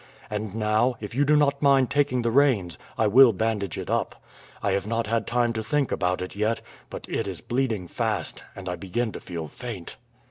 And now, if you do not mind taking the reins, I will bandage it up. I have not had time to think about it yet, but it is bleeding fast, and I begin to feel faint."